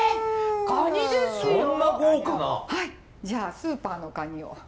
じゃあスーパーの蟹を。